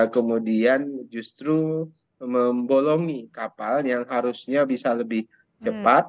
kemudian justru membolongi kapal yang harusnya bisa lebih cepat